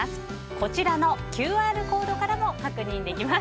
こちらのＱＲコードからも確認できます。